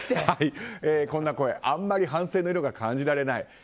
こんな声あんまり反省の色が感じられない。